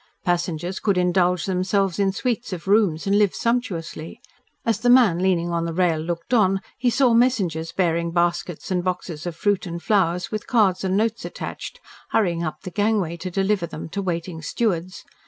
Passengers could indulge themselves in suites of rooms and live sumptuously. As the man leaning on the rail looked on, he saw messengers bearing baskets and boxes of fruit and flowers with cards and notes attached, hurrying up the gangway to deliver them to waiting stewards.